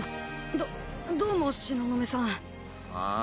どどうも東雲さん。